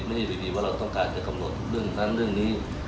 ไม่ได้อยู่ดีว่าเราต้องการจะกำหนดเรื่องนั้นเรื่องนี้